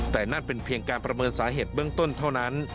แต่นั่นเป็นเพียงการประเมินสาเหตุเบื้องต้นเท่านั้น